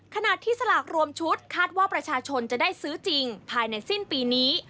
ขณะที่สลากรวมชุดคาดว่าประชาชนจะได้ซื้อจริงภายในสิ้นปีนี้